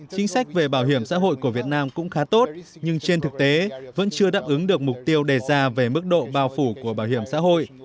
chính sách về bảo hiểm xã hội của việt nam cũng khá tốt nhưng trên thực tế vẫn chưa đáp ứng được mục tiêu đề ra về mức độ bao phủ của bảo hiểm xã hội